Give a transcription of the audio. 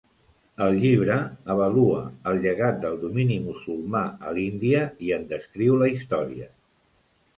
El llibre avalua el llegat del domini musulmà a l'Índia i en descriu la història.